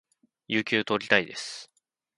有給を取りたいです